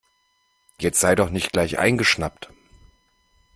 Jetzt sei doch nicht gleich eingeschnappt.